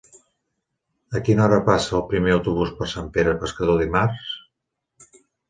A quina hora passa el primer autobús per Sant Pere Pescador dimarts?